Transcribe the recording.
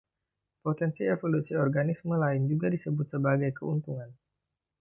Potensi evolusi organisme lain juga disebut sebagai keuntungan.